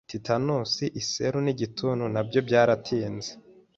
tetanusi, iseru n'igituntu nabyo byaratinze